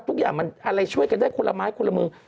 ทุกอย่างมันอะไรช่วยกันได้คนละไม้คนละมือ